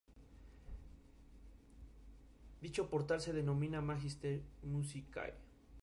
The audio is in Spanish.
Sin embargo, sólo se transmitían avances del mismo.